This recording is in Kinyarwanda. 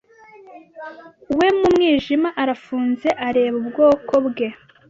We mu mwijima arafunze areba ubwoko bwe